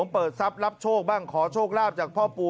เปิดทรัพย์รับโชคบ้างขอโชคลาภจากพ่อปู่